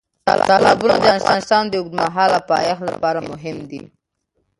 تالابونه د افغانستان د اوږدمهاله پایښت لپاره مهم دي.